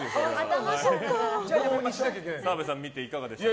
澤部さん見ていかがでしたか？